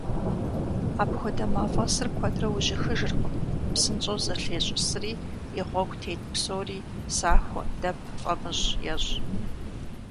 Апхуэдэ мафӀэсыр куэдрэ ужьыхыжыркъым, псынщӀэу зэлъещӏысри, и гъуэгу тет псори сахуэ, дэп, фӀамыщӀ ещӏ.